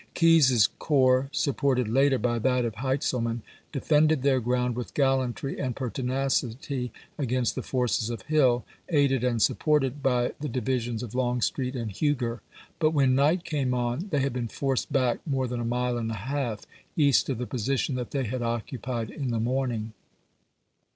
Keyes's corps, supported later by that of Heintzel man, defended their ground with gallantry and per tinacity against the forces of Hill, aided and sup ported by the divisions of Longstreet and Huger ; but when night came on, they had been forced back more than a mile and a half east of the posi tion that they had occupied in the morning.